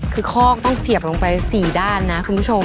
คือคอกต้องเสียบลงไป๔ด้านนะคุณผู้ชม